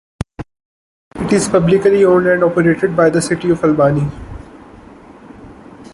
It is publicly owned and operated by the City of Albany.